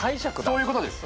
そういうことです。